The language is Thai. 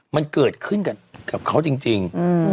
มันเกิดขึ้นกับเขาจริง